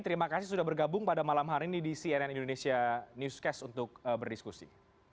terima kasih sudah bergabung pada malam hari ini di cnn indonesia newscast untuk berdiskusi